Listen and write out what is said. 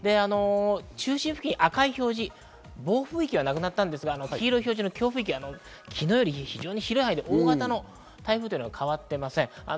中心付近や赤い表示、暴風域はなくなったんですが、黄色い表示の強風域が昨日より広い範囲で大型の台風は変わっていません。